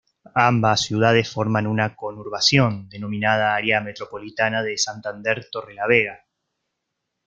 Ambas ciudades forman una conurbación, denominada área metropolitana de Santander-Torrelavega.